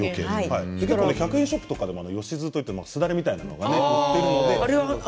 １００円ショップでもよしずといって、すだれみたいなものが売っています。